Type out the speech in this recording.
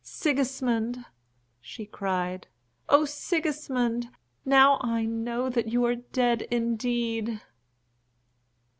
"Sigismund!" she cried. "Oh, Sigismund! Now I know that you are dead indeed."